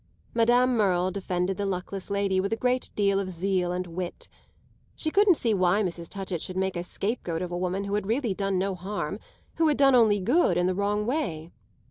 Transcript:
Madame Merle defended the luckless lady with a great deal of zeal and wit. She couldn't see why Mrs. Touchett should make a scapegoat of a woman who had really done no harm, who had only done good in the wrong way.